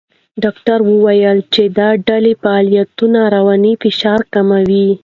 ډاکټره وویل چې د ډلې فعالیت رواني فشار کموي.